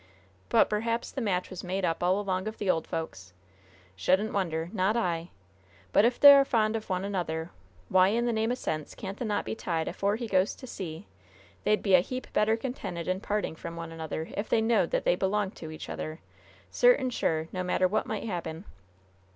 But perhaps the match was made up all along of the old folks. Shouldn't wonder. Not I! But if they are fond o' one another, why, in the name o' sense, can't the knot be tied afore he goes to sea? They'd be a heaper better contented in parting from one another if they knowed that they belonged to each other, certain sure, no matter what might happen."